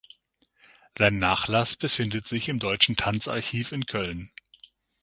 Sein Nachlass befindet sich im Deutschen Tanzarchiv in Köln.